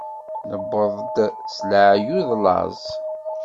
Newweḍ-d s εeyyu d laẓ.